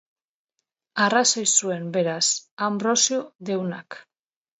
Arrazoi zuen, beraz, Anbrosio deunak.